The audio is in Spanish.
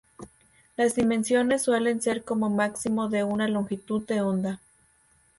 Las dimensiones suelen ser como máximo de una longitud de onda.